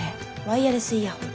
ワイヤレスイヤホン。